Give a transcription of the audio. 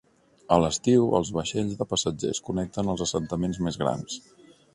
A l"estiu, els vaixells de passatgers connecten els assentaments més grans.